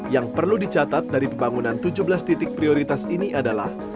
yang perlu dicatat dari pembangunan tujuh belas titik prioritas ini adalah